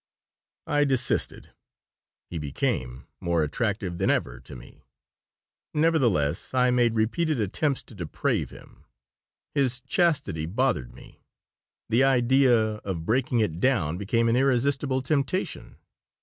I desisted. He became more attractive than ever to me Nevertheless, I made repeated attempts to deprave him. His chastity bothered me. The idea of breaking it down became an irresistible temptation.